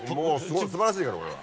素晴らしいからこれは。